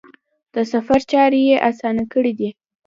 د سفر چارې یې اسانه کړي دي.